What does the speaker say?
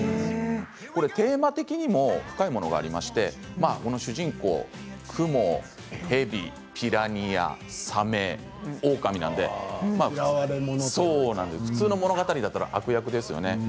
テーマ的にも深いものがありましてこの主人公、くも、蛇、ピラニアサメ、オオカミなので普通の物語だったら悪役ですよね。